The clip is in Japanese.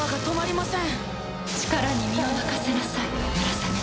力に身を任せなさいムラサメ。